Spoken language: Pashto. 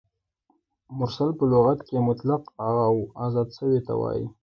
مرسل په لغت کښي مطلق او آزاد سوي ته وايي.